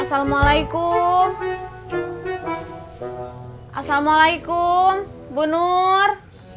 assalamualaikum assalamualaikum bunur